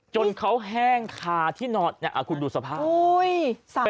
จนเขาแห้งคาที่นอนคุณดูสภาพ